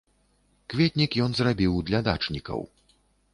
Кветнік ён зрабіў для дачнікаў.